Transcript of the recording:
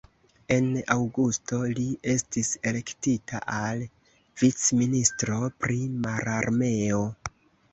En aŭgusto, li estis elektita al vicministro pri mararmeo.